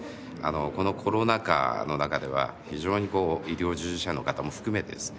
このコロナ禍の中では非常にこう医療従事者の方も含めてですね